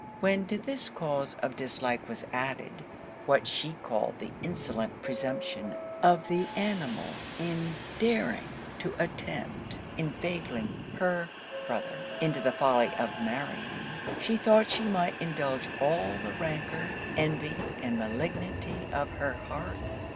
When to this cause of dislike was added, what she called the insolent presumption of the animal in daring to attempt inveigling her brother into the folly of marrying, she thought she might indulge all the rancour, envy, and malignity of her heart.